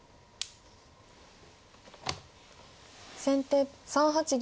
先手３八銀。